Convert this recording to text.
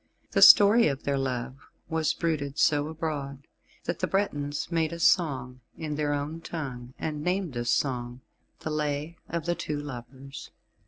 The story of their love was bruited so abroad, that the Bretons made a song in their own tongue, and named this song the Lay of the Two Lovers.